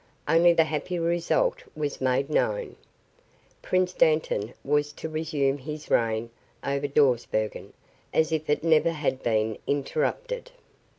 Only the happy result was made known. Prince Dantan was to resume his reign over Dawsbergen, as if it never had been interrupted.